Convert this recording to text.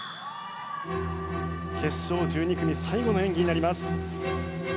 決勝１２組最後の演技になります。